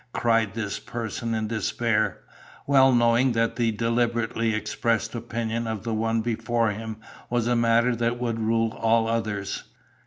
cried this person in despair, well knowing that the deliberately expressed opinion of the one before him was a matter that would rule all others.